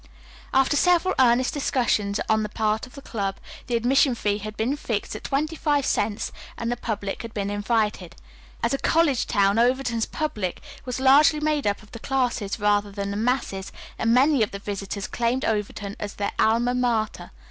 After several earnest discussions on the part of the club, the admission fee had been fixed at twenty five cents, and the public had been invited. As a college town Overton's "public" was largely made up of the classes rather than the masses, and many of the visitors claimed Overton as their Alma Mater.